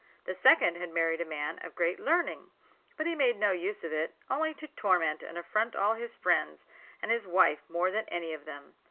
The second had married a man of great learning; but he made no use of it, only to torment and affront all his friends, and his wife more than any of them.